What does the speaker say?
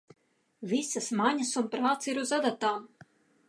Visas maņas un prāts ir uz adatām.